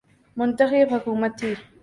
منتخب حکومت تھی۔